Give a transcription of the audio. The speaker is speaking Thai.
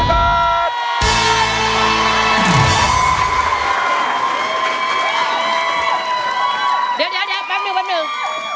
เดี๋ยวแป๊บนึง